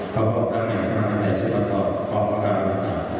เถอะพวกเราแผ่งเข้ามาไปซักต่อคอมการวันนั้น